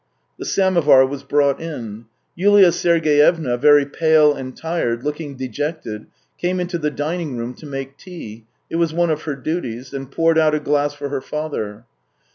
The samovar was brought in. Yuha Sergey evna, very pale and tired, looking dejected, came into the dining room to make tea — it was one of her duties — and poured out a glass for her father.